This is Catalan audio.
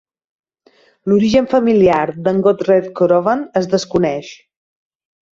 L"origen familiar de"n Godred Crovan es desconeix.